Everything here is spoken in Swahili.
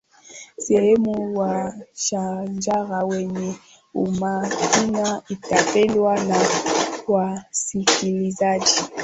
sehemu ya shajara yenye umakini itapendwa na wasikilizaji